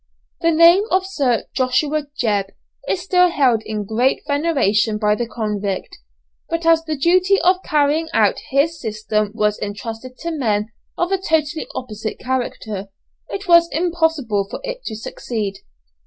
The name of Sir Joshua Jebb is still held in great veneration by the convict, but as the duty of carrying out his system was entrusted to men of a totally opposite character, it was impossible for it to succeed.